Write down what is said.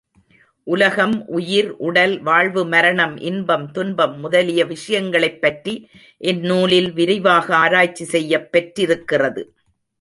உலகம், உயிர், உடல், வாழ்வு, மரணம், இன்பம், துன்பம் முதலிய விஷயங்களைப் பற்றி இந்நூலில் விரிவாக ஆராய்ச்சிசெய்யப் பெற்றிருக்கிறது.